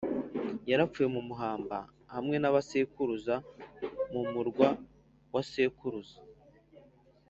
Yarapfuye muhamba hamwe na ba sekuruza mu murwa wa sekuruza